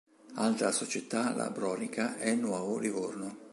Altra società labronica è il Nuoto Livorno.